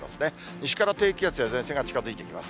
西から低気圧や前線が近づいていきます。